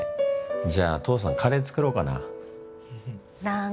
じゃあ父さんカレー作ろうかな。